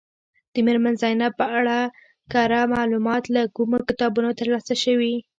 د میرمن زینب په اړه کره معلومات له کومو کتابونو ترلاسه شوي.